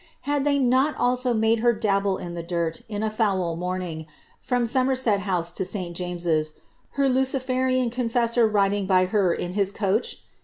Had they not also made her dabble in the dirt, in a foul morning, from Somerset House to St James's, her Luciferian confessor riding by her in his coach